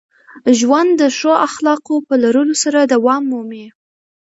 ژوند د ښو اخلاقو په لرلو سره دوام مومي.